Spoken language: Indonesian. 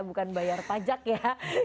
bukan bayar pajak ya